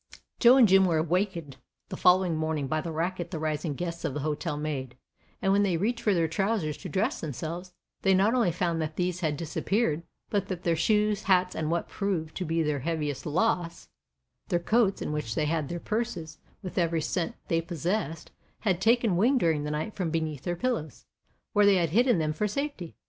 ] Joe and Jim were awakened the following morning by the racket the rising "guests" of the hotel made, and when they reached for their trousers to dress themselves, they not only found that these had disappeared, but that their shoes, hats and what proved to be their heaviest loss, their coats in which they had their purses with every cent that they possessed, had taken wing during the night from beneath their pillows, where they had hidden them for safety.